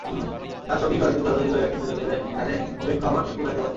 তাঁর সঙ্গী কয়েকজন ধরাধরি করে ব্যাগটি তুলে ফেললেন সেখানে অপেক্ষমাণ একটি মাইক্রোবাসে।